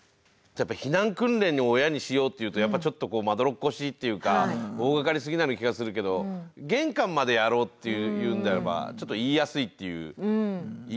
避難訓練を親にしようっていうとやっぱちょっとまどろっこしいっていうか大がかりすぎなような気がするけど玄関までやろうっていうんであればちょっと言いやすいっていう言い方はありますよね。